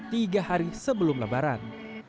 tiga hari sebelum lebaran